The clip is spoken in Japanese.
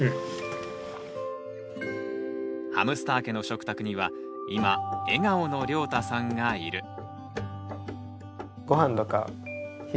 ハムスター家の食卓には今笑顔のりょうたさんがいる。